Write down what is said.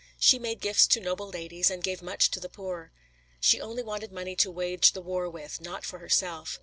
She made gifts to noble ladies, and gave much to the poor. She only wanted money to wage the war with, not for herself.